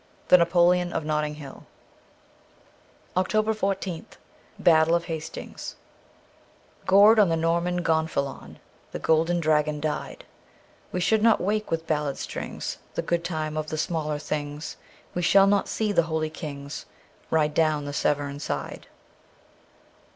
' The Napoleon of Notting Hill.' 319 OCTOBER 14th BATTLE OF HASTINGS GORED on the Norman gonfalon The Golden Dragon died, We shall not wake with ballad strings The good time of the smaller things, We shall not see the holy kings Ride down the Severn side.